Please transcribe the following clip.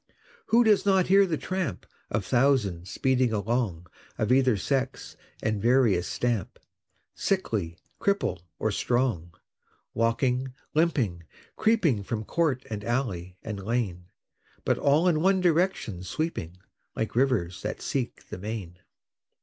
Who does not hear the tramp Of thousands speeding along Of either sex and various stamp, Sickly, cripple, or strong, Walking, limping, creeping From court and alley, and lane, But all in one direction sweeping Like rivers that seek the main?